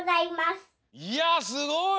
いやすごい！